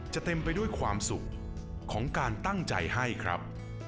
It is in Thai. เต็มไปด้วยความสุขของการตั้งใจให้ครับ